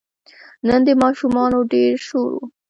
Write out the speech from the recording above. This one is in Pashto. نن د ماشومانو ډېر شور و.